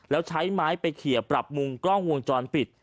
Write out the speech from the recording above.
แล้วใช้ไม้ไปเขียปรับมุมกล้องวงจรปิด